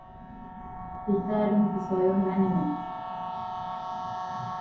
Lista de los episodios del anime.